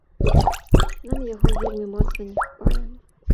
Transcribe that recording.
Нам яго вельмі моцна не хапае.